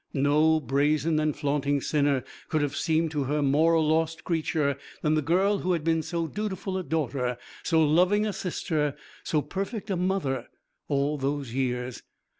No brazen and flaunting sinner could have seemed to her more a lost creature than the girl who had been so dutiful a daughter, so loving a sister, so perfect a mother, all those years.